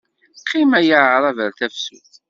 Qqim a yaɛṛab ar tefsut.